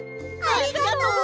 ありがとう！